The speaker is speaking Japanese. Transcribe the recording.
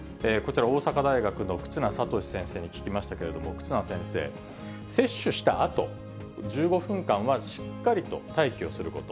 こちら、大阪大学の忽那賢志先生に聞きましたけれども、忽那先生、接種したあと、１５分間はしっかりと待機をすること。